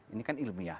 ini kan ilmiah